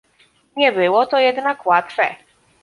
Nie było to jednak łatwe